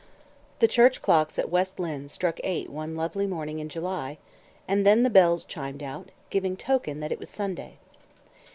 The church clocks at West Lynne struck eight one lovely morning in July, and then the bells chimed out, giving token that it was Sunday.